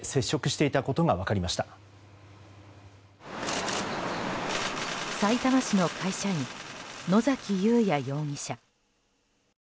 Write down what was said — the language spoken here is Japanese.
さいたま市の会社員野崎祐也容疑者。